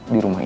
di rumah ini